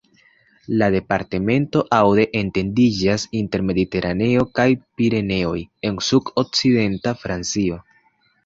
La departemento Aude etendiĝas inter Mediteraneo kaj Pireneoj en sud-okcidenta Francio.